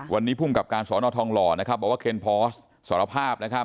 วันนี้ภูมิกับการสอนอทองรบอกว่าเคนพอร์ชสารภาพ